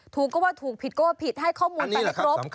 ถูกก็ว่าถูกผิดก็ว่าผิดให้ข้อมูลแต่ไม่ครบ